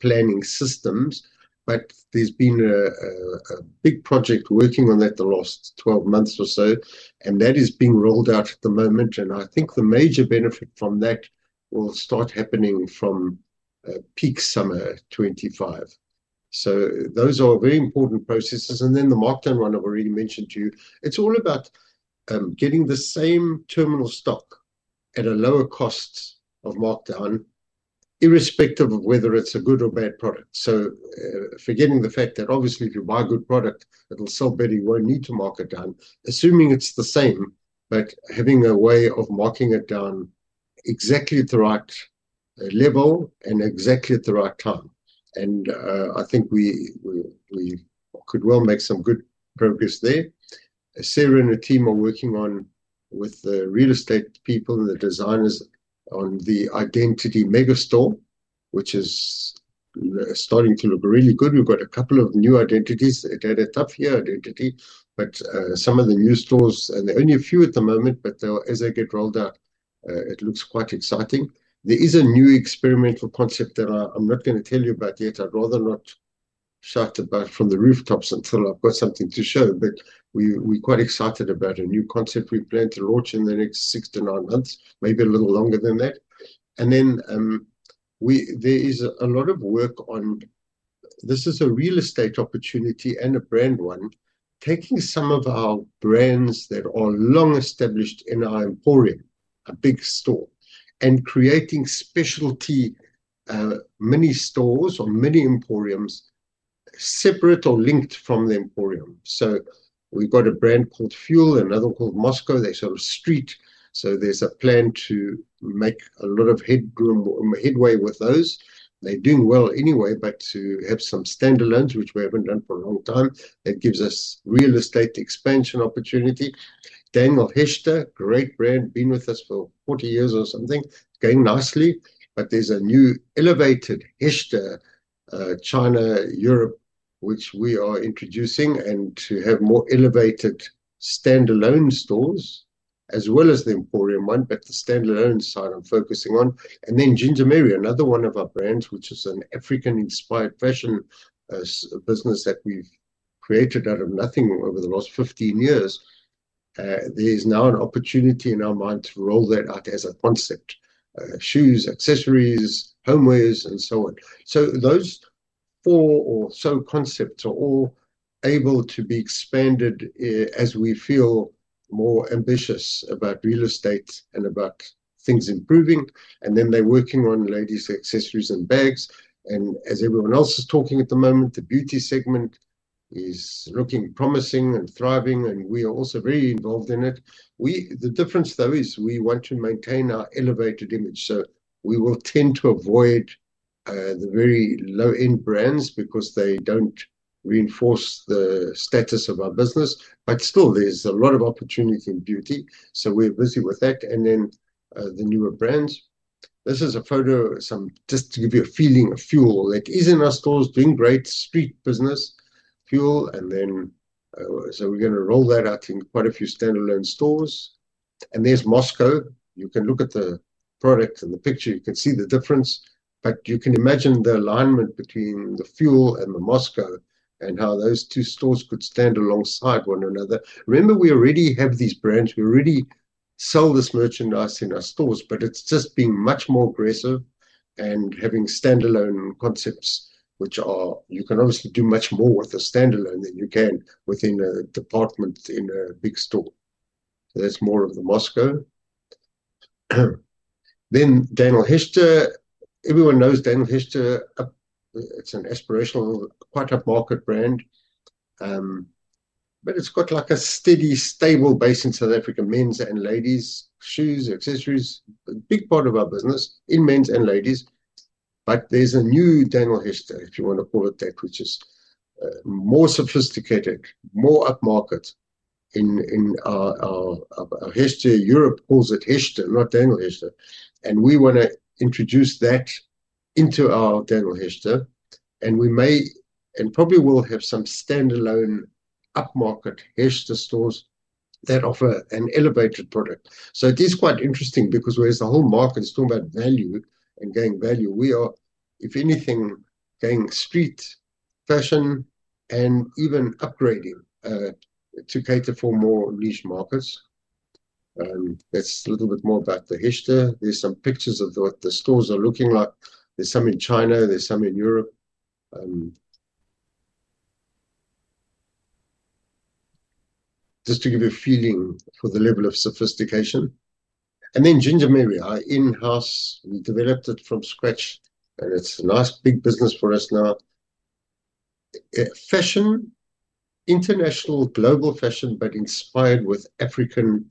A: planning systems, but there's been a big project working on that the last 12 months or so, and that is being rolled out at the moment. I think the major benefit from that will start happening from peak summer 2025. Those are very important processes. The markdown run I've already mentioned to you, it's all about getting the same terminal stock at a lower cost of markdown, irrespective of whether it's a good or bad product. Forgetting the fact that obviously if you buy a good product, it'll sell better, you won't need to mark it down, assuming it's the same, but having a way of marking it down exactly at the right level and exactly at the right time. I think we could well make some good progress there. Sarah and her team are working with the real estate people, the designers on the identity megastore, which is starting to look really good. We've got a couple of new identities. It had a tough year, identity, but some of the new stores, and there are only a few at the moment, but as they get rolled out, it looks quite exciting. There is a new experimental concept that I'm not going to tell you about yet. I'd rather not shout about from the rooftops until I've got something to show. We're quite excited about a new concept we plan to launch in the next six to nine months, maybe a little longer than that. There is a lot of work on this. This is a real estate opportunity and a brand one, taking some of our brands that are long established in our emporium, a big store, and creating specialty mini stores or mini emporiums separate or linked from the emporium. We've got a brand called Fuel, another called Moscow. They're sort of street. There's a plan to make a lot of headway with those. They're doing well anyway, but to have some standalones, which we haven't done for a long time, that gives us real estate expansion opportunity. Daniel Hester, great brand, been with us for 40 years or something, going nicely. There's a new elevated Hester, China, Europe, which we are introducing and to have more elevated standalone stores as well as the emporium one, but the standalone side I'm focusing on. Ginger Mary, another one of our brands, is an African-inspired fashion business that we've created out of nothing over the last 15 years. There's now an opportunity in our mind to roll that out as a concept, shoes, accessories, homewares, and so on. Those four or so concepts are all able to be expanded as we feel more ambitious about real estate and about things improving. They're working on ladies' accessories and bags. As everyone else is talking at the moment, the beauty segment is looking promising and thriving, and we are also very involved in it. The difference, though, is we want to maintain our elevated image. We will tend to avoid the very low-end brands because they don't reinforce the status of our business. Still, there's a lot of opportunity in beauty. We're busy with that. The newer brands, this is a photo just to give you a feeling of Fuel that is in our stores, doing great street business, Fuel. We're going to roll that out in quite a few standalone stores. There's Moscow. You can look at the product and the picture. You can see the difference. You can imagine the alignment between the Fuel and the Moscow and how those two stores could stand alongside one another. Remember, we already have these brands. We already sell this merchandise in our stores, but it's just being much more aggressive and having standalone concepts, which are, you can obviously do much more with a standalone than you can within a department in a big store. That's more of the Moscow. Then Daniel Hester. Everyone knows Daniel Hester. It's an aspirational, quite upmarket brand, but it's got like a steady, stable base in South Africa, men's and ladies' shoes, accessories, a big part of our business in men's and ladies. There's a new Daniel Hester, if you want to call it that, which is more sophisticated, more upmarket in our Hester. Europe calls it Hester, not Daniel Hester, and we want to introduce that into our Daniel Hester. We may and probably will have some standalone upmarket Hester stores that offer an elevated product. It is quite interesting because whereas the whole market is talking about value and gaining value, we are, if anything, gaining street fashion and even upgrading to cater for more niche markets. That's a little bit more about the Hester. There are some pictures of what the stores are looking like. There are some in China. There are some in Europe, just to give you a feeling for the level of sophistication. Then Ginger Mary. I in-house developed it from scratch, and it's a nice big business for us now. Fashion, international, global fashion, but inspired with African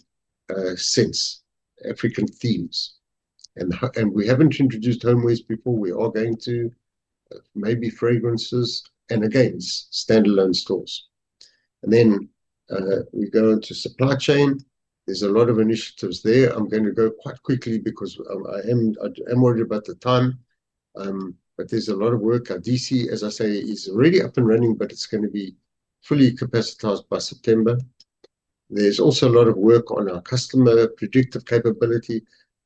A: sense, African themes. We haven't introduced homewares before. We are going to maybe fragrances and again, standalone stores. We go into supply chain. There are a lot of initiatives there. I'm going to go quite quickly because I am worried about the time. There is a lot of work. Our DC, as I say, is already up and running, but it's going to be fully capacitized by September. There is also a lot of work on our customer predictive capability.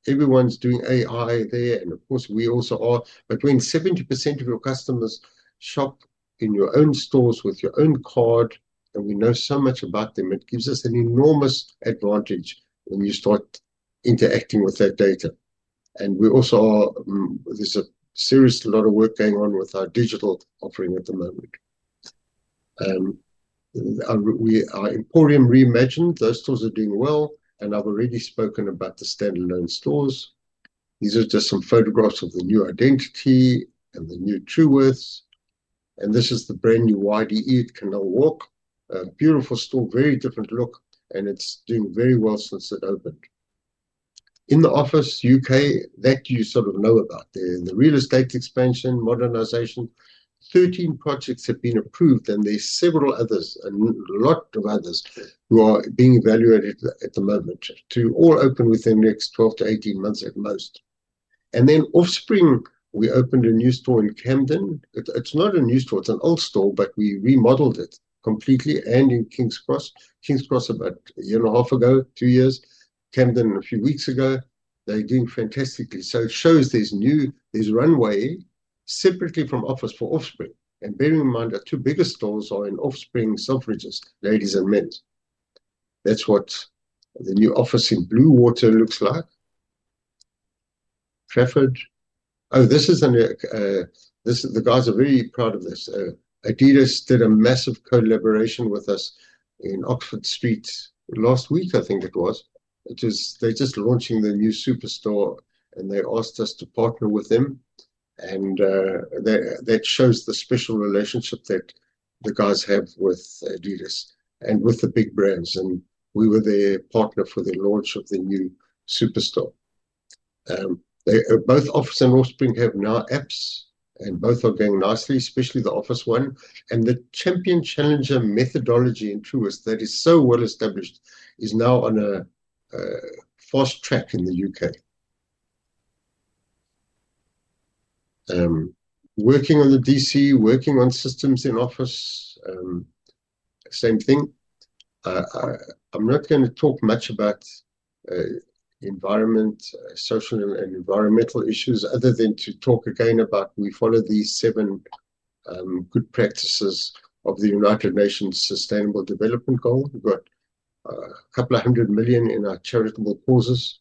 A: Everyone's doing AI there, and of course, we also are. When 70% of your customers shop in your own stores with your own card, and we know so much about them, it gives us an enormous advantage when you start interacting with that data. We also are, there's a serious lot of work going on with our digital offering at the moment. Our emporium reimagined. Those stores are doing well. I've already spoken about the standalone stores. These are just some photographs of the new identity and the new True Worth. This is the brand new YDE. It can now walk. A beautiful store, very different look, and it's doing very well since it opened. In Office U.K., that you sort of know about. The real estate expansion, modernization, 13 projects have been approved, and there's several others, a lot of others who are being evaluated at the moment. To all open within the next 12 to 18 months at most. Offspring, we opened a new store in Camden. It's not a new store. It's an old store, but we remodeled it completely. In King's Cross, King's Cross about a year and a half ago, two years, Camden a few weeks ago, they're doing fantastically. It shows there's new, there's runway separately from Office for Offspring. Bear in mind, our two biggest stores are in Offspring Selfridges, ladies and men's. That's what the new Office in Bluewater looks like. Crawford. Oh, this is, this is the guys are very proud of this. Adidas did a massive collaboration with us in Oxford Street last week, I think it was. They're just launching the new superstore, and they asked us to partner with them. That shows the special relationship that the guys have with Adidas and with the big brands. We were their partner for the launch of the new superstore. Both Office and Offspring have now apps, and both are going nicely, especially the Office one. The Champion Challenger methodology in Truworths that is so well established is now on a fast track in the U.K. Working on the DC, working on systems in Office, same thing. I'm not going to talk much about environment, social, and environmental issues other than to talk again about we follow these seven good practices of the United Nations Sustainable Development Goal. We've got a couple of hundred million in our charitable causes,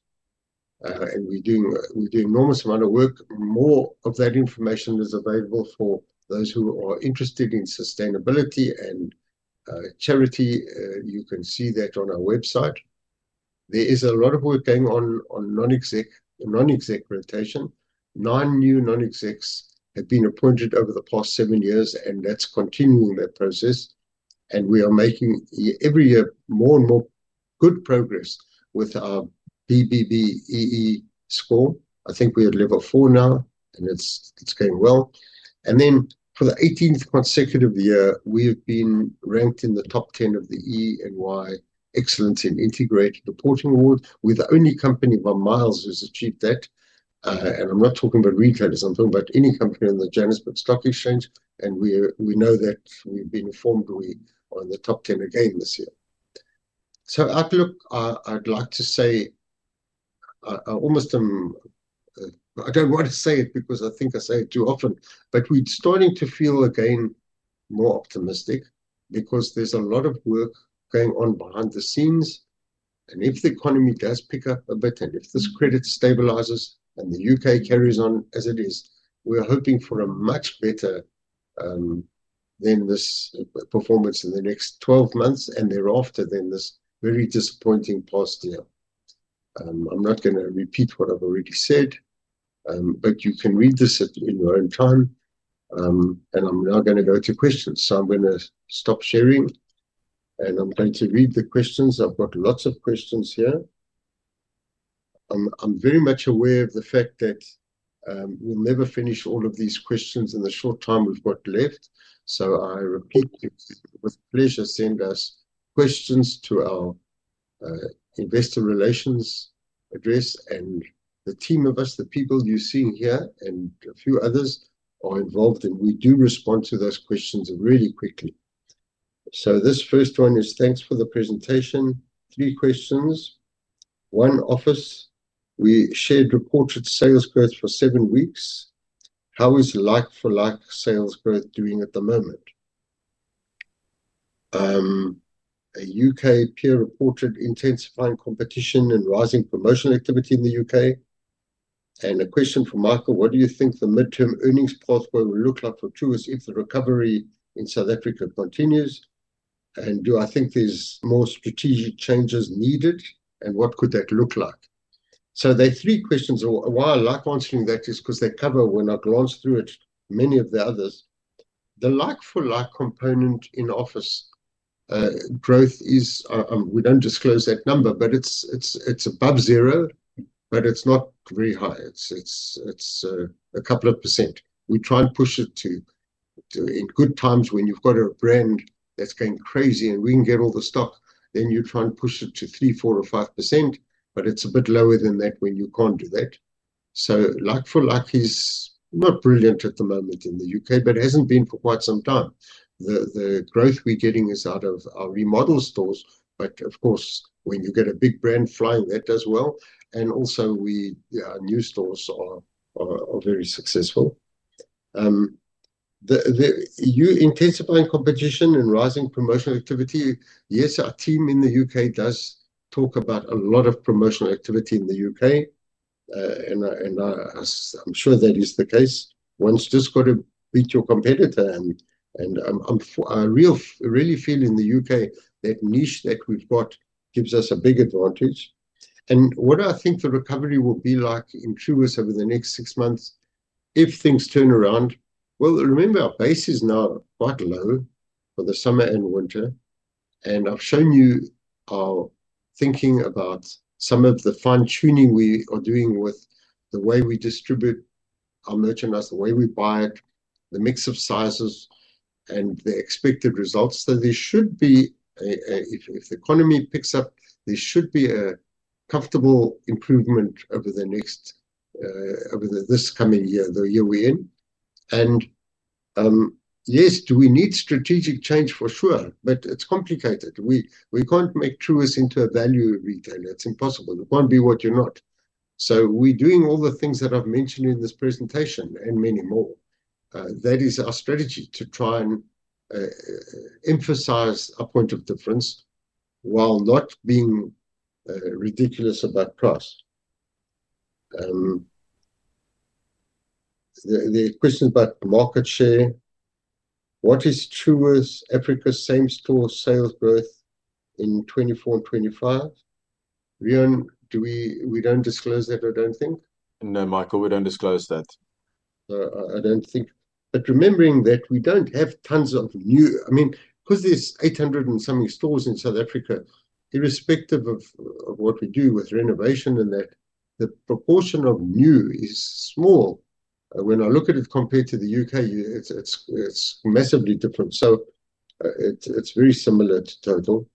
A: and we're doing an enormous amount of work. More of that information is available for those who are interested in sustainability and charity. You can see that on our website. There is a lot of work going on non-exec rotation. Nine new non-execs have been appointed over the past seven years, and that's continuing that process. We are making every year more and more good progress with our BBBEE score. I think we're at level four now, and it's going well. For the 18th consecutive year, we have been ranked in the top 10 of the E&Y Excellence in Integrated Reporting Award. We're the only company by miles who's achieved that. I'm not talking about retailers. I'm talking about any company on the Johannesburg Stock Exchange. We know that we've been formed on the top 10 again this year. Outlook, I'd like to say, I almost am, I don't want to say it because I think I say it too often, but we're starting to feel again more optimistic because there's a lot of work going on behind the scenes. If the economy does pick up a bit, and if this credit stabilizes and the U.K. carries on as it is, we're hoping for a much better performance in the next 12 months and thereafter than this very disappointing past year. I'm not going to repeat what I've already said, but you can read this in your own time. I'm now going to go to questions. I'm going to stop sharing, and I'm going to read the questions. I've got lots of questions here. I'm very much aware of the fact that we'll never finish all of these questions in the short time we've got left. I repeat, with pleasure, send us questions to our investor relations address, and the team of us, the people you see here and a few others are involved, and we do respond to those questions really quickly. This first one is, thanks for the presentation. Three questions. One, Office, we shared reported sales growth for seven weeks. How is like-for-like sales growth doing at the moment? U.K. peer reported intensifying competition and rising promotional activity in the U.K. and a question for Michael, what do you think the medium-term earnings pathway will look like for Truworths International Limited if the recovery in South Africa continues? Do I think there's more strategic changes needed? What could that look like? They're three questions. Why I like answering that is because they cover, when I've gone through it, many of the others. The like-for-like component in Office growth is, we don't disclose that number, but it's above zero, but it's not very high. It's a couple of %. We try and push it to, in good times when you've got a brand that's going crazy and we can get all the stock, then you try and push it to 3%, 4%, or 5%, but it's a bit lower than that when you can't do that. Like-for-like is not brilliant at the moment in the U.K., but it hasn't been for quite some time. The growth we're getting is out of our remodel stores, but of course, when you get a big brand flying, that does well. Also, our new stores are very successful. You mentioned intensifying competition and rising promotional activity. Yes, our team in the U.K. does talk about a lot of promotional activity in the U.K., and I'm sure that is the case. One's just got to beat your competitor. I really feel in the U.K. that niche that we've got gives us a big advantage. What do I think the recovery will be like in Truworths over the next six months if things turn around? Remember, our base is now quite low for the summer and winter. I've shown you our thinking about some of the fine-tuning we are doing with the way we distribute our merchandise, the way we buy it, the mix of sizes, and the expected results. There should be, if the economy picks up, a comfortable improvement over this coming year, the year we're in. Yes, do we need strategic change for sure? It's complicated. We can't make Truworths into a value retailer. It's impossible. You can't be what you're not. We're doing all the things that I've mentioned in this presentation and many more. That is our strategy to try and emphasize our point of difference while not being ridiculous about price. The question about market share, what is Truworths Africa's same-store sales growth in 2024 and 2025? Reon, do we don't disclose that, I don't think?
C: No, Michael, we don't disclose that.
A: No, I don't think. Remembering that we don't have tons of new, I mean, because there's 800 and something stores in South Africa, irrespective of what we do with renovation and that, the proportion of new is small. When I look at it compared to the U.K., it's massively different. It's very similar to total.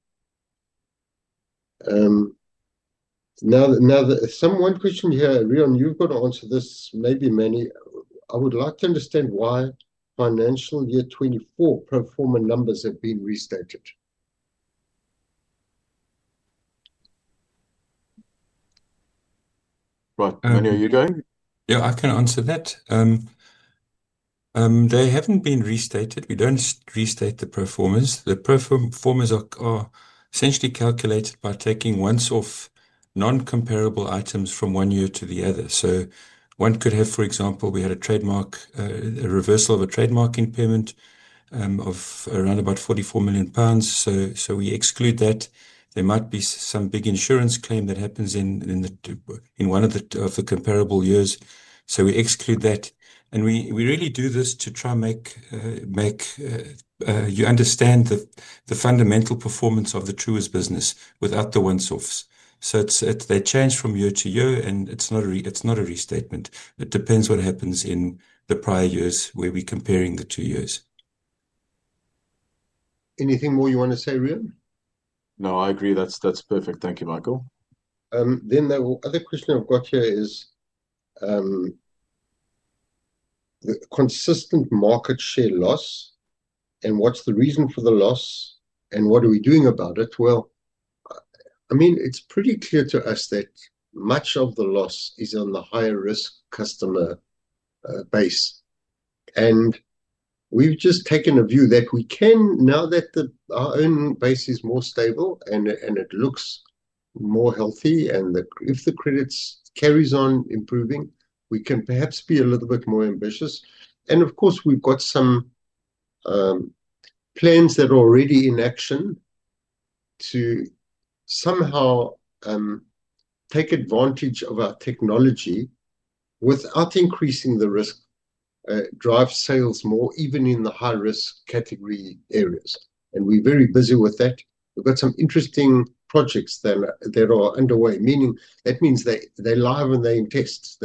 A: Now, one question here, Reon, you've got to answer this, maybe Emmanuel. I would like to understand why financial year 2024 performance numbers have been restated. Right. Emanuel, you go?
D: Yeah, I can answer that. They haven't been restated. We don't restate the performance. The performance are essentially calculated by taking ones off non-comparable items from one year to the other. One could have, for example, we had a reversal of a trademark impairment of around about £44 million. We exclude that. There might be some big insurance claim that happens in one of the comparable years. We exclude that. We really do this to try and make you understand the fundamental performance of the Truworths International Limited business without the ones offs. They change from year to year, and it's not a restatement. It depends what happens in the prior years where we're comparing the two years.
A: Anything more you want to say, Reon?
C: No, I agree. That's perfect. Thank you, Michael.
A: The other question I've got here is the consistent market share loss and what's the reason for the loss and what are we doing about it? It's pretty clear to us that much of the loss is on the higher risk customer base. We've just taken a view that we can, now that our own base is more stable and it looks more healthy, and that if the credits carry on improving, we can perhaps be a little bit more ambitious. Of course, we've got some plans that are already in action to somehow take advantage of our technology without increasing the risk, drive sales more, even in the high-risk category areas. We're very busy with that. We've got some interesting projects that are underway, meaning that means they're live and they're in tests.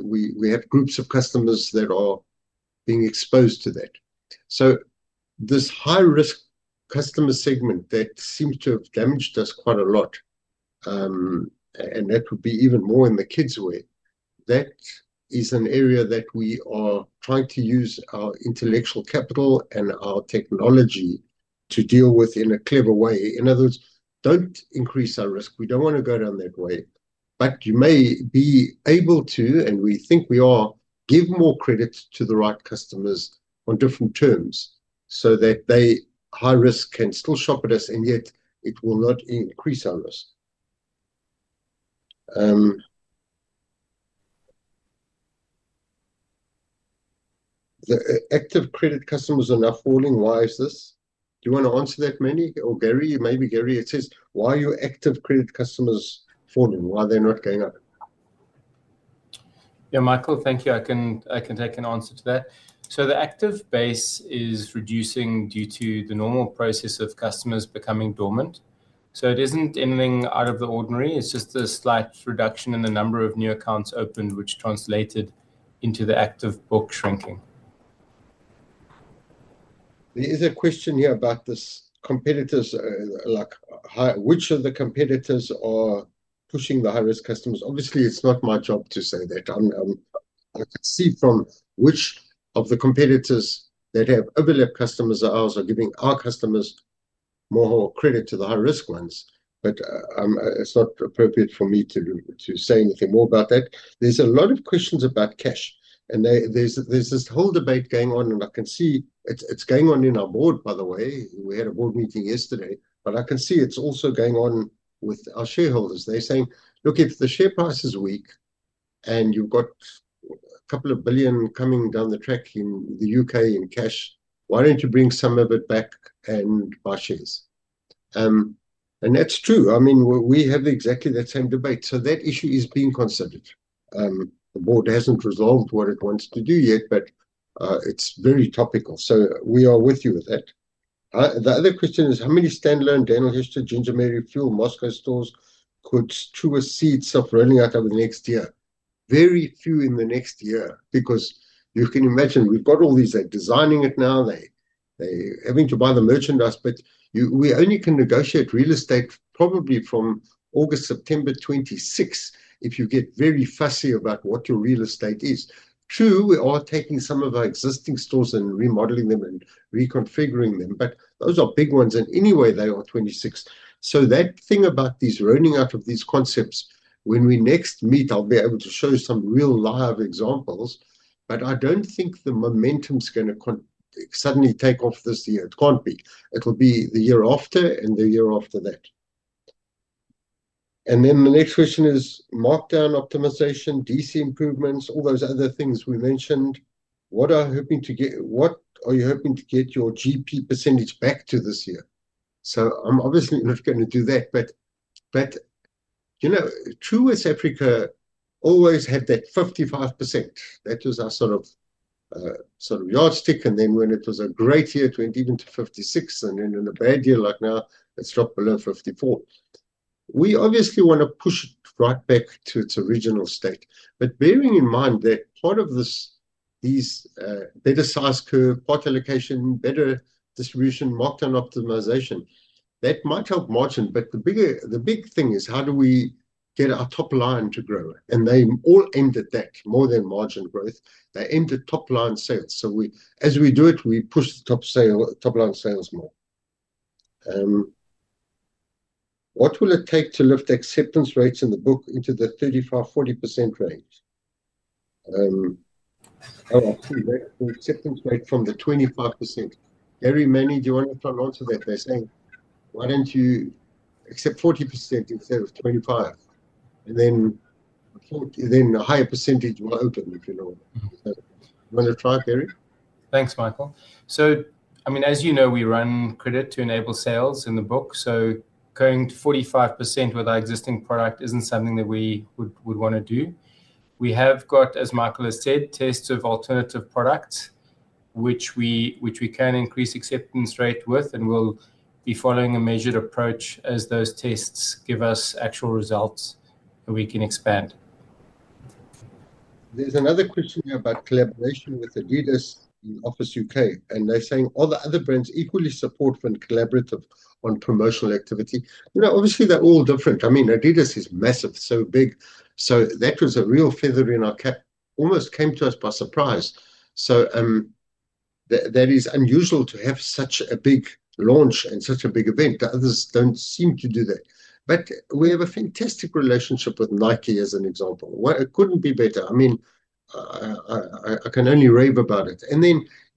A: We have groups of customers that are being exposed to that. This high-risk customer segment that seems to have damaged us quite a lot, and that would be even more in the kids' way, that is an area that we are trying to use our intellectual capital and our technology to deal with in a clever way. In other words, don't increase our risk. We don't want to go down that way. You may be able to, and we think we are, give more credit to the right customers on different terms so that the high risk can still shop at us and yet it will not increase our risk. The active credit customers are now falling. Why is this? Do you want to answer that, Emanuel or Gary? Maybe Gary, it says, why are your active credit customers falling? Why are they not going up?
E: Yeah, Michael, thank you. I can take an answer to that. The active base is reducing due to the normal process of customers becoming dormant. It isn't anything out of the ordinary. It's just a slight reduction in the number of new accounts opened, which translated into the active book shrinking.
A: There is a question here about competitors, like which of the competitors are pushing the high-risk customers. Obviously, it's not my job to say that. I can see from which of the competitors that have overlapped customers of ours are giving our customers more credit to the high-risk ones. It's not appropriate for me to say anything more about that. There's a lot of questions about cash. There's this whole debate going on, and I can see it's going on in our board, by the way. We had a board meeting yesterday, and I can see it's also going on with our shareholders. They're saying, look, if the share price is weak and you've got a couple of billion coming down the track in the U.K. in cash, why don't you bring some of it back and buy shares? That's true. I mean, we have exactly that same debate. That issue is being considered. The board hasn't resolved what it wants to do yet, but it's very topical. We are with you with that. The other question is, how many standalone Daniel Hester, Ginger Mary, Fuel, Moscow stores could Truworths International Limited be rolling out over the next year? Very few in the next year because you can imagine we've got all these. They're designing it now. They're having to buy the merchandise. We only can negotiate real estate probably from August, September 2026 if you get very fussy about what your real estate is. We are taking some of our existing stores and remodeling them and reconfiguring them, but those are big ones. Anyway, they are 2026. That thing about these rolling out of these concepts, when we next meet, I'll be able to show some real live examples. I don't think the momentum is going to suddenly take off this year. It can't be. It'll be the year after and the year after that. The next question is markdown optimization, DC improvements, all those other things we mentioned. What are you hoping to get? What are you hoping to get your GP percentage back to this year? I'm obviously not going to do that. Truworths Africa always had that 55%. That was our sort of yardstick. When it was a great year, it went even to 56%. In a bad year like now, it's dropped below 54%. We obviously want to push it right back to its original state. Bearing in mind that part of this, these better size curve, part allocation, better distribution, markdown optimization, that might help margin. The big thing is how do we get our top line to grow? They all end at that, more than margin growth. They end at top line sales. As we do it, we push the top line sales more. What will it take to lift acceptance rates in the book into the 35% to 40% range? I'll pull that acceptance rate from the 25%. Gary, Manny, do you want to try and answer that? They're saying, why don't you accept 40% instead of 25%? Then a higher percentage will open if you know. You want to try, Gary?
E: Thanks, Michael. As you know, we run credit to enable sales in the book. Going to 45% with our existing product isn't something that we would want to do. We have got, as Michael has said, tests of alternative products, which we can increase acceptance rate with and will be following a measured approach as those tests give us actual results that we can expand.
A: There's another question here about collaboration with Adidas and Office U.K. They're saying all the other brands equally support when collaborative on promotional activity. Obviously, they're all different. I mean, Adidas is massive, so big. That was a real feather in our cap, almost came to us by surprise. That is unusual to have such a big launch and such a big event. The others don't seem to do that. We have a fantastic relationship with Nike as an example. It couldn't be better. I mean, I can only rave about it.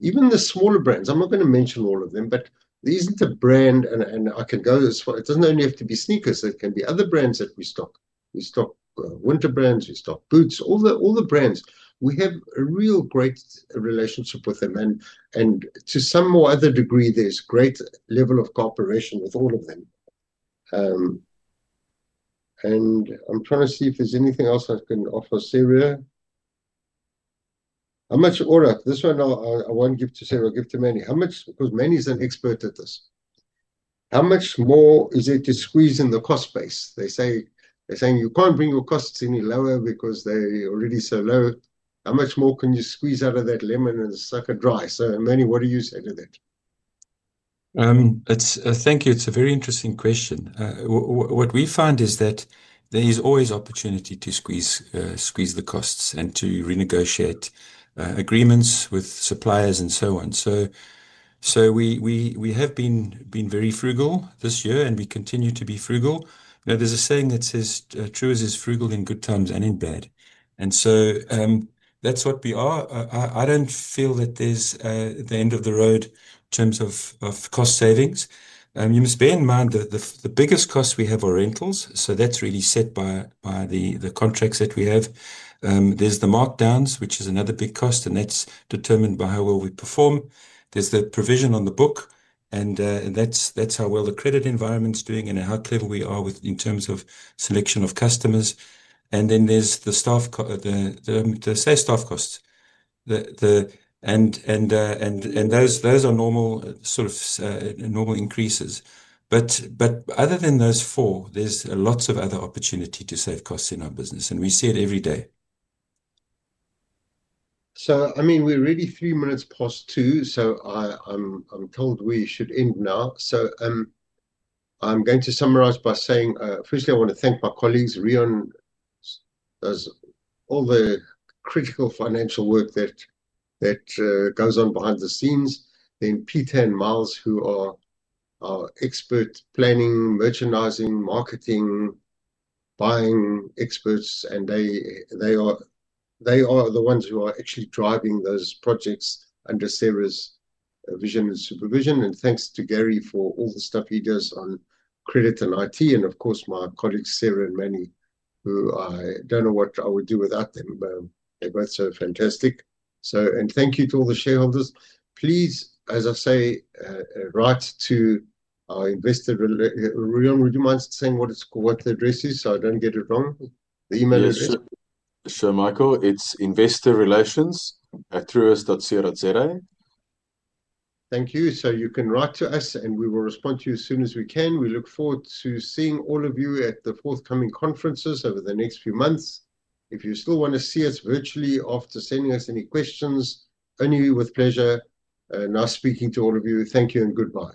A: Even the smaller brands, I'm not going to mention all of them, but these are the brands, and I can go as far. It doesn't only have to be sneakers. It can be other brands that we stock. We stock winter brands. We stock boots. All the brands, we have a real great relationship with them. To some or other degree, there's a great level of cooperation with all of them. I'm trying to see if there's anything else I can offer, Sarah. How much order? This one I won't give to Sarah, I'll give to Manny. How much, because Manny is an expert at this, how much more is it to squeeze in the cost base? They're saying you can't bring your costs any lower because they're already so low. How much more can you squeeze out of that lemon and sucker dry? So Emanuel, what do you say to that?
D: Thank you. It's a very interesting question. What we found is that there is always opportunity to squeeze the costs and to renegotiate agreements with suppliers and so on. We have been very frugal this year and we continue to be frugal. There is a saying that says Truworths is frugal in good times and in bad. That's what we are. I don't feel that there's the end of the road in terms of cost savings. You must bear in mind that the biggest cost we have are rentals. That's really set by the contracts that we have. There's the markdowns, which is another big cost, and that's determined by how well we perform. There's the provision on the book, and that's how well the credit environment's doing and at what level we are in terms of selection of customers. Then there's the sales staff costs. Those are normal sort of normal increases. Other than those four, there's lots of other opportunities to save costs in our business, and we see it every day.
A: I mean, we're really three minutes past 2:00 P.M., so I'm told we should end now. I'm going to summarize by saying, firstly, I want to thank my colleagues, Rian, as all the critical financial work that goes on behind the scenes. Then Peter and Miles, who are our expert planning, merchandising, marketing, buying experts, and they are the ones who are actually driving those projects under Sarah's vision and supervision. Thanks to Gary for all the stuff he does on credit and IT. Of course, my colleagues, Sarah and Manny, who I don't know what I would do without them, but they're both so fantastic. Thank you to all the shareholders. Please, as I say. Write To our investor, Reon. Would you mind saying what the address is so I don't get it wrong? The email address?
C: Sure, Michael. It's investorrelations@truworths.co.za.
A: Thank you. You can write to us, and we will respond to you as soon as we can. We look forward to seeing all of you at the forthcoming conferences over the next few months. If you still want to see us virtually after sending us any questions, only with pleasure. Now, speaking to all of you, thank you and goodbye.